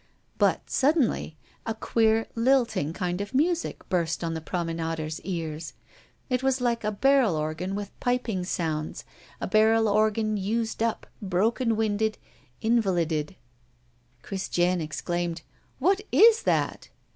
But, suddenly, a queer lilting kind of music burst on the promenaders' ears. It was like a barrel organ with piping sounds, a barrel organ used up, broken winded, invalided. Christiane exclaimed: "What is that?"